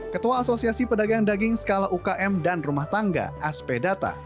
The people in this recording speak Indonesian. ketua asosiasi pedagang daging skala ukm dan rumah tangga asp data